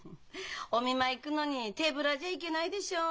お見舞い行くのに手ぶらじゃ行けないでしょう？